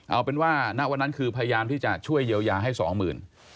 เอาเป็นว่าณวันนั้นคือพยายามที่จะช่วยเยียวยาให้สองหมื่น